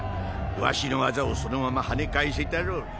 わしの技をそのままはね返せたろうに。